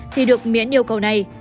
thì được miễn yêu cầu này